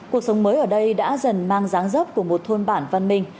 cuộc sống mới ở đây đã dần mang dáng dốc của một thôn bản văn minh